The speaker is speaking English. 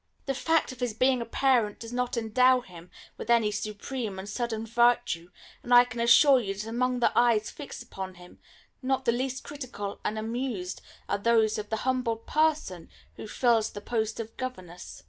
The fact of his being a parent does not endow him with any supreme and sudden virtue; and I can assure you that among the eyes fixed upon him, not the least critical and amused are those of the humble person who fills the post of governess."